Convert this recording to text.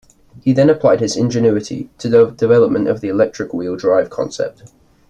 He then applied his ingenuity to the development of the electric wheel drive concept.